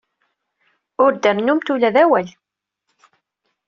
Ur d-rennumt ula d awal.